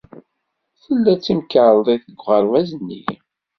Tella temkarḍit deg uɣerbaz-nni?